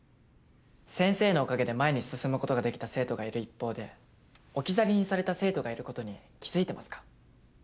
先生のおかげで前に進むことができた生徒がいる一方で置き去りにされた生徒がいることに気付いてますか？